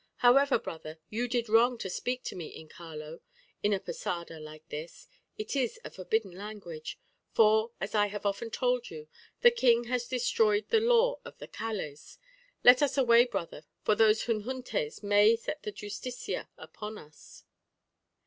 However, brother, you did wrong to speak to me in Caló, in a posada like this: it is a forbidden language; for, as I have often told you, the king has destroyed the law of the Calés. Let us away, brother, or those juntunes may set the justicia upon us."